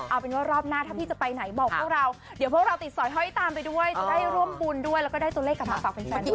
เอาเป็นว่ารอบหน้าถ้าพี่จะไปไหนบอกพวกเราเดี๋ยวพวกเราติดสอยห้อยตามไปด้วยจะได้ร่วมบุญด้วยแล้วก็ได้ตัวเลขกลับมาฝากแฟนด้วย